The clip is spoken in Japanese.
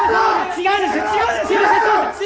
違うんです。